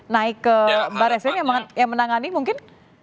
naik ke barres krim yang menangani mungkin